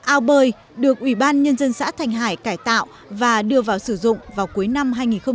ao bơi được ủy ban nhân dân xã thành hải cải tạo và đưa vào sử dụng vào cuối năm hai nghìn một mươi bảy